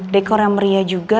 dekor yang meriah juga